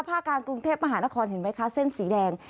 ภาคกลางกรุงเทพมหานครเห็นไหมคะเส้นสีแดง